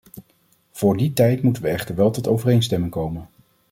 Voor die tijd moeten we echter wel tot overeenstemming komen.